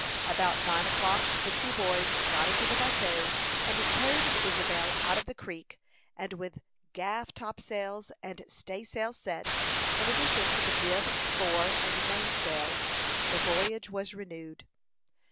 About nine o'clock the two boys got into the bateau, and towed the Isabel out of the creek, and with gaff topsails and staysail set, in addition to the jib, fore, and main sails, the voyage was renewed.